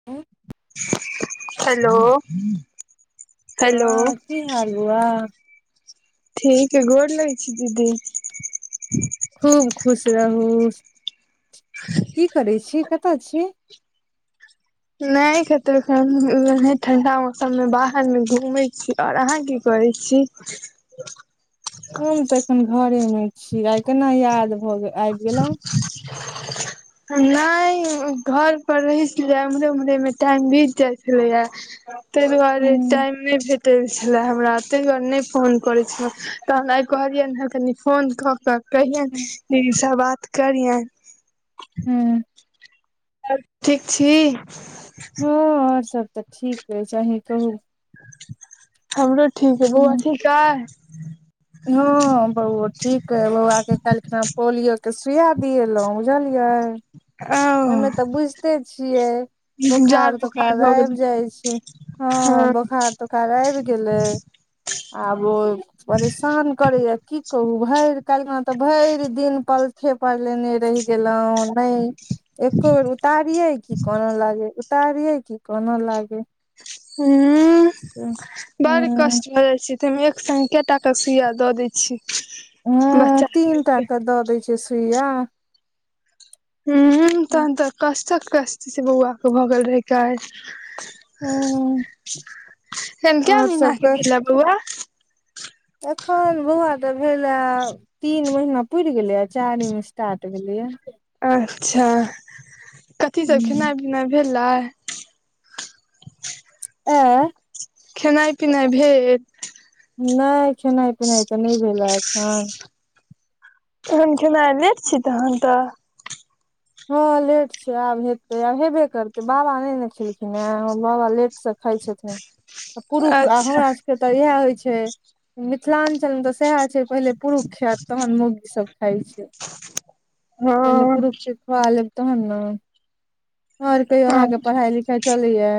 [unintelligible] Hello hello हँ की हाल बोआ। ठीक अय गोर लगै छै दीदी। खूब खुश रहु, की करै छी कतय छी नहि कतौ ओनहे ठंडा मौसम मे बाहर मे घूमे छी। आओर अहाँ की करै छी। हम त एखन घरे मे छी, आइ केना याद भऽ गेल आबि गेलहुँ। नहि घर पर रहि स जैब। एम्रे उम्हरे में टाइम बीत जाय छलै यैं, तहि दुआरे हूँ टाइम मे भेट ल छलै हमरा तय दुवारे नहि फोन करै छलहुँ, तहन आइ कहलियनि हँ कनि फोन कऽ-कऽ कहियैन हूँ दीदी स बात करियनि। हम्म और ठीक छी। हँ आओर सब तऽ ठीक अछि, अही कहू हमरो ठीक अय, बौआ ठीक अय। हँ बौओ ठीक अइ, बौआके काल्खना पोलियो के सुइया दियेलौ बुझलियै। ओ ओहिमे तऽ बुझिते छियै। जाड़ बोखार बोखार-तोखार भऽ आबि गेल जाइ छै, हँ बोखार तो खार आबि गेलै, आब ओ परेशान करैया की कहूं भरि, काल्हि खना त भरि दिन पलथे पर लेने रहि गेल‌ऊ नहि एको बेर उतारिये कि कानऽ लागे, उतारिये क कनऽ लागे। उहम्म ह बड़ कष्ट भ जाइ छय। ताहिमे एक सङ्ग कैए टाक सुइया दऽ दै छय। हम्म तीन टा क द दै छै सुइया। हम्म तहन तऽ कष्टक-कष्ट से बौआ क भऽ गेल रहैं काल्हि। ह एखन कै और महीना सब के कह भेल ऐं बौआ। एखन बौआ तऽ भेलए, तीन महीना पूरि गेलै आय। चारिम स्टार्ट भेलै यैं। अच्छा कथी सब हूँ खेनाइ-पिनाइ भेलय। ऐं खेनाइ पिनाइ भेल। नहि खेनाइ-पिनाइ तऽ नहि भेलऽ एखन। एखन खेनाइ लेट छी तहन तऽ। हँ लेट छै आब हेतै-आब हेबे करतै, बाबा नहि न खेलखिन हैं बाबा लेट स खााय छथिन। पुरुष आ अच्छा हमरा सबके तऽ इएह होइत छै, मिथिलाञ्चलमे तऽ सैह छै। पहिले पुरुष खैत तहन मौगीसब खाइ छै, हँ पहिले पुरुष खुआ लेब तहन न, आओर कहियो हँ अहाँके पढ़ाई लिखाई चलैया।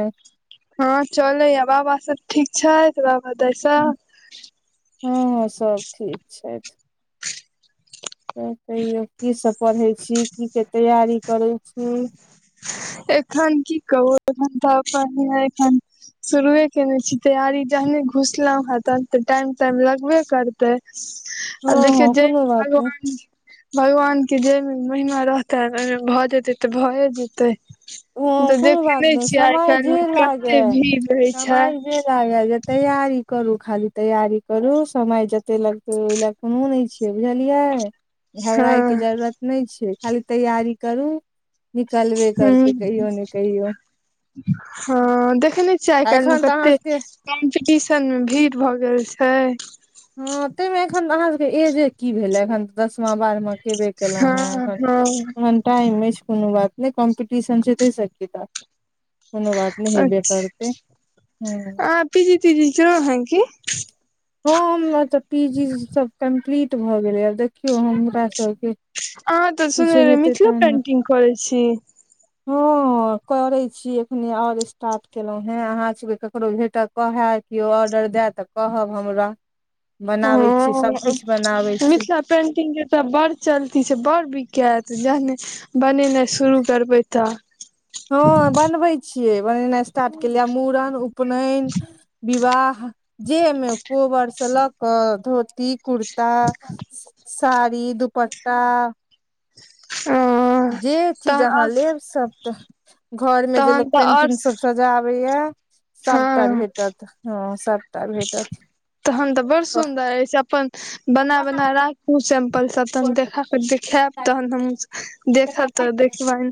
हँ चलैय बाबा सब ठीक छैथ, बाबा दाय सब हम्म हँ सब ठीक छैथ। त कहियौ कीसब पढ़ै छी, की के तैयारी करै छी। एखन की कहु एखन त पढनाए एखन शुरुए केने छी तैयारी, जहने घुसलहु हें तहन ते टाइम- टाइम लगबे कर तऽ आ हँ देखियौ हँ जय कोनो में बात नहि भगवान। भगवान के जेहिमे महिमा रहतैन ओहिमे भ जेतै त भए जेतै। उ तऽ कोनो देखे बात नै नय छियै आइ समय काल्हि जे मे लागे कते भीड़ रहै छै समय जे तैयारी करू खाली तैयारी करू समय जते लगतै ओय ले कुनू नै छियै बुझलियै। घबड़ाईके हँ जरूरत नय छैय खाली तैयारी करू निकलबे हूँ करतै। कहियो ने कहियो हँ देखै नै छियै आइ आ काइलमे एखन तऽ अहाँ सबके कतेक कम्पिटिशनमे भीड़ भ गेल छैय। हँ तयमे एखन अहाँ सबके एजे की भेलै एखन दसमा बारहमा केबे केलौं हँ हें। हँ एखन टाइम अइछ कोनो बात नै कॉम्पटिशन छैय तै से कि त कोनो बात नै हेबेे अच्छा करतै ह। अहाँ पीजी तीजी केलौं हँ की। हँ हमर त पी- जी सब कम्प्लीट भ गेलैये आब देखियौ हमरा सबके अहाँ द किछो सुनने रही हेतै मिथिला पेंटिंग करैय छी। हँ। हँ करैय छी अखने और स्टार्ट केलहुं हे अहा सबके केकरो भेटै कोहे क्यो ऑर्डर दए त कहब हमरा बनाबै छी सभकिछ बनाबै छी। पेन्टिंगके त बड़ चलती छैय बड़ बीकैत जेहने बनेनाइ शुरू करबै त। हँ बनबै छियै बनेनाइ स्टार्ट केलियैए मूड़न ऊ उपनैन, विवाह जे मे कोबरसँ लऽ क धोती कुर्ता, साड़ी, दुपट्टा जे चीज तहन अहाँ आओर लेब सब टा घरमे जे तहन लोक तऽ आओर पेंटिंग सब सज जाबैये सबटा हँ भेटत हँ सबटा भेटत। तहन त बड़ सुन्दर अछि, अपन बना-बना रा उ सेंपल सब तहन देख देखायब तहन हम देखब त देखबैन।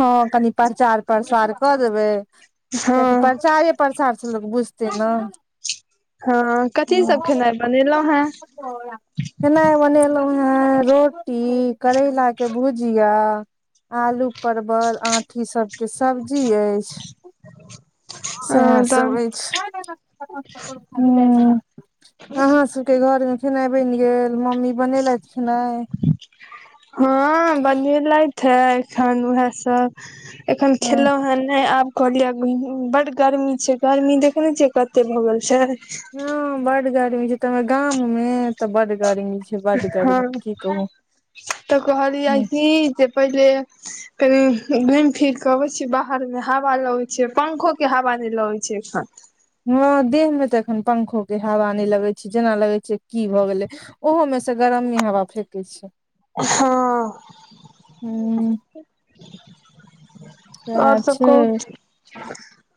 हँ कनि प्रचार- प्रसार क देबै हँ कियकि प्रचारे प्रसार स लोक बुझतै न। अ कथी सब खेनाइ बनेलहुँ हँ। खेनाय बनेलहुँ हैं रोटी करे रेलाके भुजिया, आलू परवल आँठी सबके सब्जी अइछ अ सेहे सब तहन अइछ हुँ, आँहा सब के घरमे खेनाइ बनि गेल मम्मी बनेेलैथ खेनाइ। हँ बनेलैथ हं एखन उहे सब। एखन ह खेलौं हन नहि आब कहलिये बड गर्मी छैय गर्मी देखै नै छियै कते भगेल छैय। हँ बड गरमी छैय तयमे गाममे। हँ कहू त कहलियए ह की जे पहिले कनि घूमि फिरके अबै छी बाहरमे हवा लगै छैय पंखोके हवा नहि लगै छैय एखन। हँ देहमे त एखन पंखो के हावा नहि लगै छैय जेना लगै छैय की भ गेलै। ओहोमेस गरममे हवा फेेकय छैय। हँ। उहे और सब कहू छैय।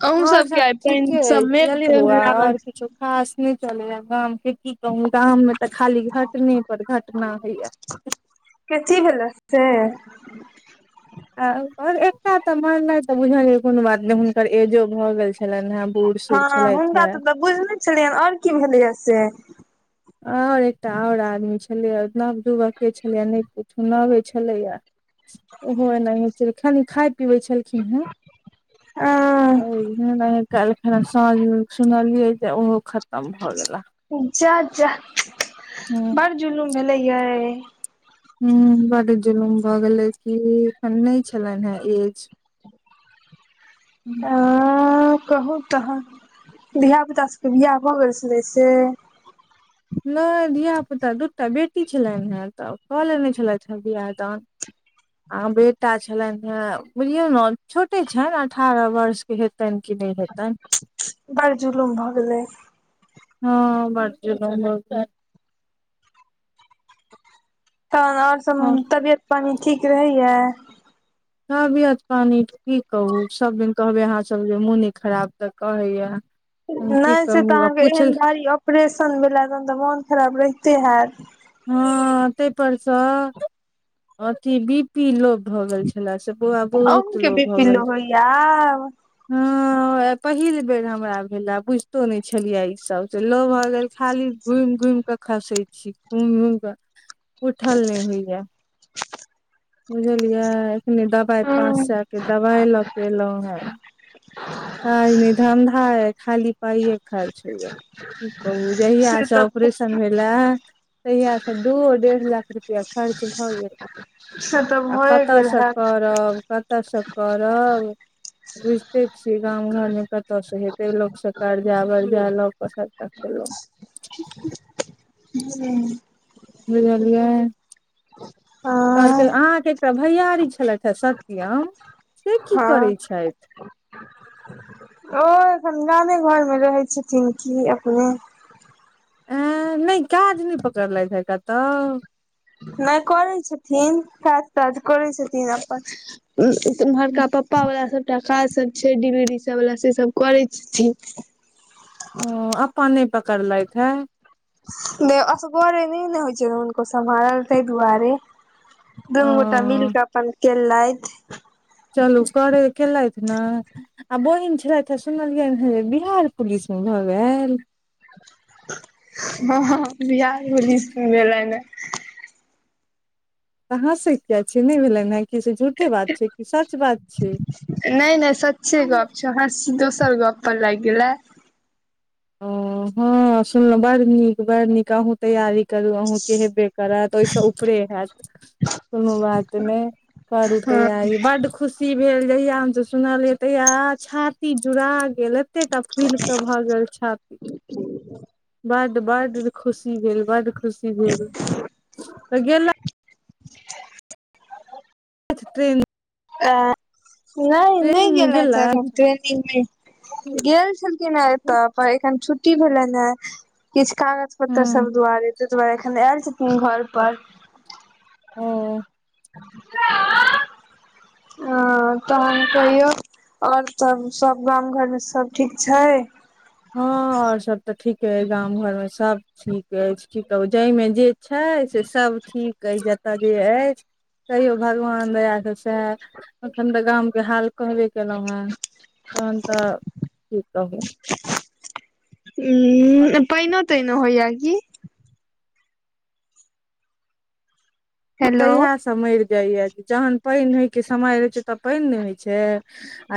अहूँ और सबके सब आइ ठीके पानि अइ सब मेघ बुझलिए तेघ बौआ और लागल किछो खास नहि चलैया गामके की कहू गाममे त खाली घटने पर घटना होइये। कथी भेलै से आर एकटा तऽ मरनाय तऽ बुझलियै कोनो बात नै हुनकर एजो भ गेल छलैन। छलैने बूड़ सूर छलैथे- बुझने छलियेन और की भेलैए से और एकटा और आदमी छलैये नवयुवके छलैये नहि पुछु नवे छलैये ओहो एनाही छले खाली खाइ पीबैत छलखिन हे। अ ए कलखिन साँझ मे सुनलियै जे ओहो खतम भ गेला। जा जा ह बड़ जुलूम भेले यै। ह बड जुलुम भऽ गेलै कि एखन नहि छलनि हेँ एज। आ कहू। तखन, धियापुता सबके बिआह भऽ गेल छलै से? नहि धियापुता दू टा बेटी छलनि हेँ तऽ कऽ लेने छलथि हेँ वियाह दान। आ बेटा छलनि हे बुझलियौ ने छोटे छनि अठारह वर्ष। हेतनि कि नहि हेतनि। बड़ जुलुम भ गेलै। हँ बड़ जुलुम भ गेलै। तहन और सब हँ तबियत पानि ठीक रहैये। तबियत पानी की कहू सभदिन कहबै अहाँ सब जे मोने खराब द कहैये। नहि से तऽ अहाँके एहन भारी ऑपरेशन भेलै तहन तऽ मोन खराब रहिते होयत। हँ तै पर से अथी बी पी लो भऽ गेल छै। भेला से बहुत अहूँ के लो बी भ पी गेल। होइया आब हँ पहिल बेर हमरा भेले बुझितो नहि छलियै ईसभ त लो भऽ गेल खाली घुमि घुमि कऽ खसै छी घुमि घमि कऽ, उठल नहि होइये। बुझलियै एखने दबाइ पाँच हूँ सए के दबाइ लऽ के एलहुं हे। काज ने धन्धा अछि खाली पाइए खर्च होइये। कि कहु जहिया से आपरेशन भेले तहिया से दूओ डेढ़ लाख रुपआ खर्च भए गेल। से तऽ आ भए कत गेल से हैत करब। कतऽसे करब बुझिते से गाम घरमे कतय से हेतै लोक सब से कर्जा वर्जा लऽ क सबटा केलहुँ। हुं। बुझलियै। और हँ अहाँ के एकटा भैयारी छलथि हे सत्यम से की हँ करै छथि। ओ एखन गामे घरमे रहै छथिन की अपने। एं नहि काज नै पकड़ लैत हे कतहु। नहि करै छथिन, काज ताज करै छथिन अपन। उमहरका पप्पा वला सबटा काज सब छै डिलेवरी सब वला से सब करै छथिन। हां अपन नहि पकड़ लैथहे। नै असगरे नहि ने होइ छै हुनको सम्हारल तै दुआरे। ओ दुनू गोटा मिलके अपन केलैथ। चलू करै केेलैथ ने। आ बहिन छलथि सुनलियनि हेँ जे बिहार पुलिस मे भऽ गेलैन। नै बिहार पुलिस मे भेलैने। हंसै किया छियै, नहि भेलनि हे कि, से झूठे बात छै कि सच बात छै। नहि नहि सच्चे गप छै, हंस्सी दोसर गप पर लागि गेलै। [inaudible] ओ हँ सुनलौं बड़ नीक बड़ नीक, अहूँ तैयारी करू अहूँके हेबे करत ओहिस उप परे हैत कोनो बात नहि, करू हँ तैयारी बड्ड खुशी शी भेल जहिया हमसब सुनलिय तहिया छाती जुड़ा गेल एते टा फुइल क भए गेल छ छाती [unintelligible] बड्ड बड्ड खुशी भेल बड्ड खुशी भेल त गेला [unintelligible] ट्रेन आ नहि नहि ट्रेनिंग मे गेलैथ है एखनि गेलथि ट्रेनिंग में गेल छलखिन हैं एतऽ पर एखन छुट्टी भेलनि हैं किछ कागज पत्तर हँ सब दुआरे ताहि दुआरे एखन ऐल छथिन घर पर ओ [unintelligible] ओ ओ तहन कहियौ आओर सब सब गाम घर मे सब ठीक छै? हँ और सभ तऽ ठीके अछि गाम घरमे, सभ ठीक अछि की कहू जैमे जे छै से सब ठीक अछि जतय जे अछि तैयो भगवान दया स त एखन तऽ गामके हाल कहबे केलहुंहैं तहन तऽ की कहू। उम्म पाइनो ताइनो होइयै की? म हेलो तहिया स मरि जाइयै जहन पानि होय के समय रहै छै तऽ पानि नहि होइ छै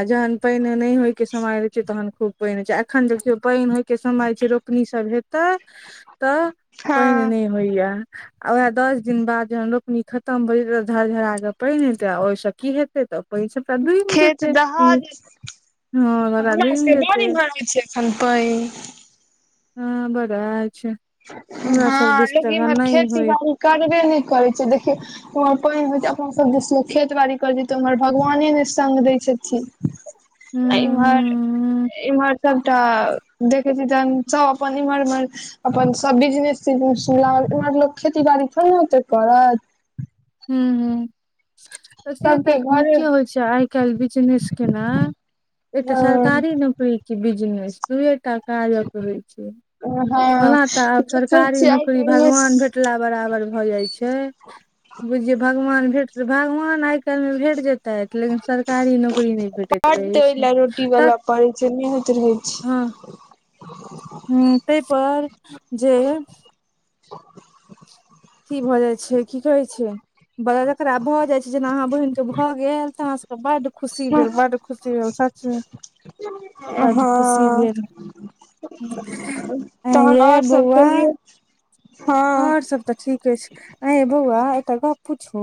आ जहन पानि नहि होय के समय रहै छै तहन खूब पानि होई छै आ एखन देखियौ पानि होय के समय छै रोपनी सब हेत तइ तऽ पानि हँ नहि होइयै आ वएह दस दिन बाद जहन रोपनी खतम भऽ जेतै तऽ झडझडा कऽ पानि हेतै आ ओहिस की हेतै तऽ पाई सबटा डूबि खेत जेतै दहा हूं, हमरा हॅं सबटा डूबि सबके बड़ जेतै। [unintelligible] हँ बड़ आइछै। हँ लेकिन इमहर खेती होइ बाड़ी करबे नहि करै छै देखियौ ओमहर पानि होइ छै अपना सब दिस मे खेतबाड़ी करैछै त उमहर भगवाने नै सग दै छथिन। आ इम्हर हूँ इम्हर सबटा देखै छी तहन सब अपन इम्हर इम्हर अपन सब बिजनेस तिजनेस में लागल, उम्हर लोक खेती बाड़ी थोड़े ने ओते करत। हूं हूं तऽ से त सबके घरे नीके होइ छै आइ काल बीजनेस केनाइ एकटा हँ सरकारी नौकरी कि बिजनेस दुए टा काजक होय छै। हँ ओना तऽ आब देखै सरकारी छियै आइ नौकरी काल्हिमे भगवान भेटला बराबर भऽ जाइ छै। बुझ जे भगवान भेट जे भगवान आइ काल्हि में भेट जेत तैथ लेकिन सरकारी नौकरी नहि भेटैत बड्ड रहै ओइ छै लए रोटी तऽ वाला पड़ै छै नहि होइत रहै हँ छै हं तइ पर जे की भऽ जाइ छै की कहै छै बड़ा जकरा भऽ जाइ छै जेना अहाँ बहिन के भऽ गेल तऽ हमरा सबके बड्ड खुशी भेल बड्ड खुशी भेल सचमे बड्ड खुशी हँ भेल ऐं तहन यै आओर सब बौआ कहियौ हँ। और सब तऽ ठीके छै, अय यौ बौआ एटा गप पूछू?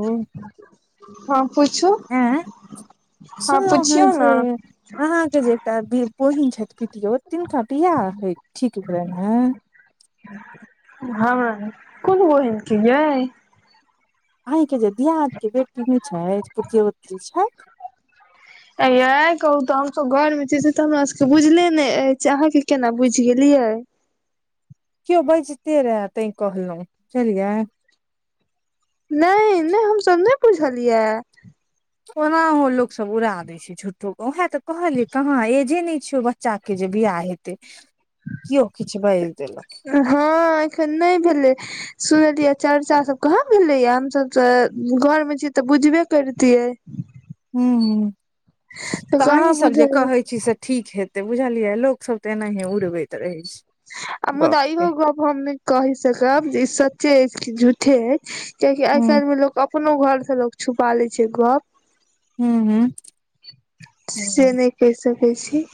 हँ पूछु। हँ, सुनलहु हँ ने जे अहाँ के जे एकटा बहिन छथि पितियोत, तिनका बिआाह हे ठीक भेलनि हँ। हमरा कोन बहिन के यै? आंहाँ के जे दियाद के बेटी नै छैथ, पितियोत जे छैथ। एयै कहू तऽ, हमसब घर में छी से तऽ हमरा सबके बुझले ने अछि, अहा के केना बुझि गेलिये? क्यों बैजते रहाँ ते कहलहु, सुनलियै। नहि, नहि हमस नहिञ बुझलिय। ओनाहो लोकसभ उड़ा दै छै झूट्ठोे क, ओएह तऽ कहलियै, कहाँ एजे नहि छै ओ बच्च चाक, जे बियाह हेते, क्यों किछ बाजि देलक। हँ एखन नहि भेलै। सुनलियै चर्चा सब कहाँ भेलै य, हमसभ तऽ घरमे छीयै तऽ बुझबे करितियै। ह -ह तऽ अहीं कहाँ सब जे बुझल कहै छी से ठीक हेतै, बुझलियै लोकसभ तेनाहीये उरबैत रहै छै, आ गप मुदा इहो के। गप हम ने कहि सकब, जे ई सच्चे अछि कि झूठे अछि, किआकि आइ हूँ -काल्हि में लोग अप अपनो घर से लोक छुपा ले छै गप। हू- हू- हँ। से नहि कहि सकैत छी।